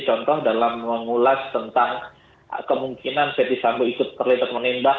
contoh dalam mengulas tentang kemungkinan fethi sambo ikut terlibat menembak